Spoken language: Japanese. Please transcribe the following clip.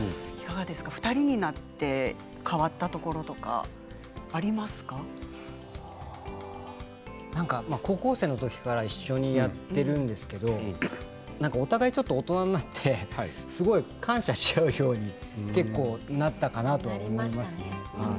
２人になって変わったところとか高校生の時から一緒にやってるんですけれどお互いちょっと大人になってすごい感謝し合うようになったかなとなりましたね。